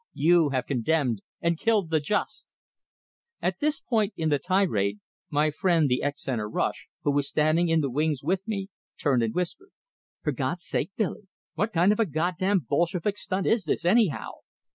You have condemned and killed the just " At this point in the tirade, my old friend the ex centre rush, who was standing in the wings with me, turned and whispered: "For God's sake, Billy, what kind of a Goddamn Bolshevik stunt is this, anyhow?"